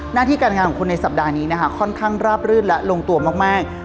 หน้าที่การงานของคุณในสัปดาห์นี้นะคะค่อนข้างราบรื่นและลงตัวมาก